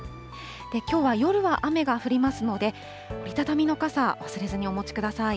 きょうは夜は雨が降りますので、折り畳みの傘、忘れずにお持ちください。